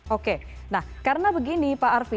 oke nah karena begini pak arfi